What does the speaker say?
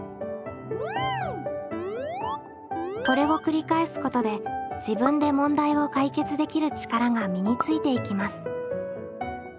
これを繰り返すことで自分で問題を解決できる力が身についていきます。